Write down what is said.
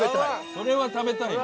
それは食べたいね。